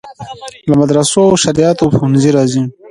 له مدرسو او شرعیاتو پوهنځیو راځي.